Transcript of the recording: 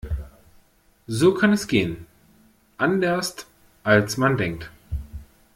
So kann es gehen. Anderst als man denkt.